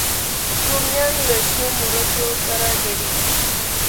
رومیان له شنو مرچو سره ګډېږي